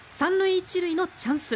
３塁１塁のチャンス。